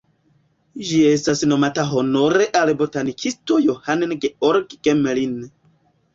Ĝi estas nomata honore al botanikisto Johann Georg Gmelin.